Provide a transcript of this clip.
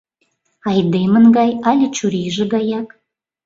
Айдемын гай але чурийже гаяк?